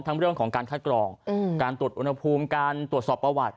เรื่องของการคัดกรองการตรวจอุณหภูมิการตรวจสอบประวัติ